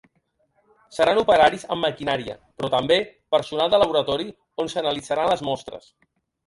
Seran operaris amb maquinària però també personal de laboratori on s’analitzaran les mostres.